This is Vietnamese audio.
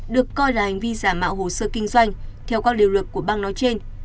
được coi là hành vi giả mạo hồ sơ kinh doanh theo các điều luật của bang nói trên